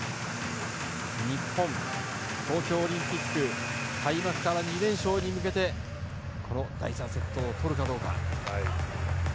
日本、東京オリンピック開幕から２連勝に向けてこの第３セットを取るかどうか。